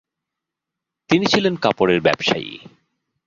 তিনি ছিলেন কাপড়ের ব্যবসায়ী’ ।